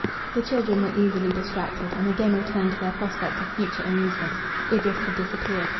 The children were easily distracted, and again returned to their prospect of future amusement. Idris had disappeared.